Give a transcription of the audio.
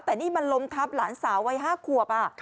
แต่นี่มันล้มพร้อมหลานสาววัยห้าควบ